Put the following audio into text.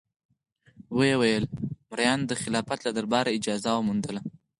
ویې ویل: مریانو د خلافت له دربار اجازه وموندله.